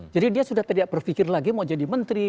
jadi dia sudah tidak berpikir lagi mau jadi menteri